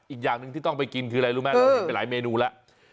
อีกอย่างหนึ่งที่ต้องไปกินคืออะไรรู้ไหมเราเห็นไปหลายเมนูแล้ว